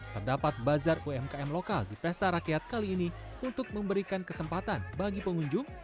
terdapat bazar umkm lokal di pesta rakyat kali ini untuk memberikan kesempatan bagi pengunjung